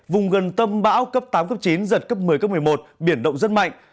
vùng gần tâm bão cấp tám cấp chín giật cấp một mươi cấp một mươi một biển động rất mạnh